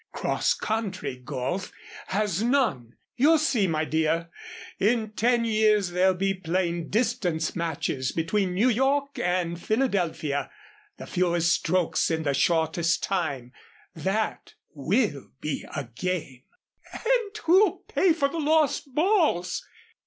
Cross country golf has none. You'll see, my dear, in ten years, they'll be playing distance matches between New York and Philadelphia the fewest strokes in the shortest time that will be a game." "And who'll pay for the lost balls?"